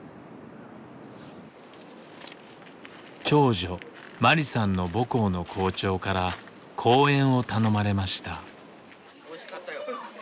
長女麻里さんの母校の校長から講演を頼まれました。